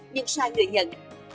nhưng sai người nhận